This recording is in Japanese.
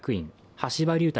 橋場龍太